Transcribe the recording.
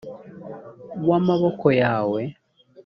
w amaboko yawe